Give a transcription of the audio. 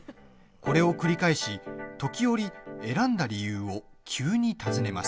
これを繰り返し、時折選んだ理由を急に尋ねます。